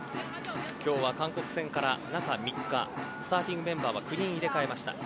今日は、韓国戦から中３日スターティングメンバーは９人、入れ替えました。